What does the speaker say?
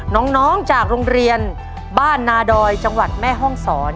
น้องจากโรงเรียนบ้านนาดอยจังหวัดแม่ห้องศร